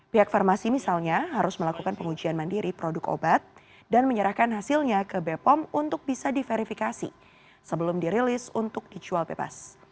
pihak farmasi misalnya harus melakukan pengujian mandiri produk obat dan menyerahkan hasilnya ke bepom untuk bisa diverifikasi sebelum dirilis untuk dijual bebas